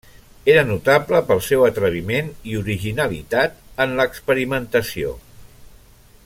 Era notable pel seu atreviment i originalitat en l'experimentació.